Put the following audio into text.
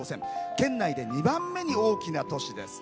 県内で２番目に大きな都市です。